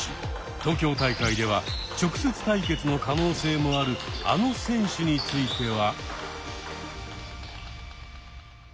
東京大会では直接対決の可能性もあるあの選手については？